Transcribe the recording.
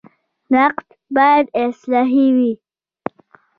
نقد باید اصلاحي وي